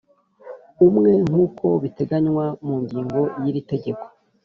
umwe nk uko biteganywa mu ngingo y iri tegeko